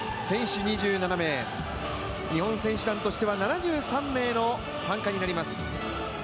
選手２７名、日本選手団としては７３名の参加になります。